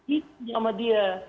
itu nama dia